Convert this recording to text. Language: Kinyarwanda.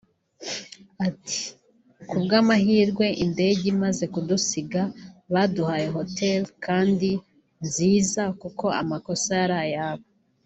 Ati “ Ku bw’amahirwe indege imaze kudusiga baduhaye hotel kandi nziza kuko amakosa yari ayabo